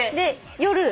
夜。